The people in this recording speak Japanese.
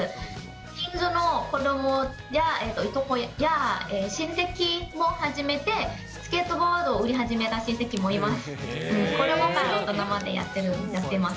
近所の子どもや、いとこや親戚も始めて、スケートボードを売り始めた親戚もいます。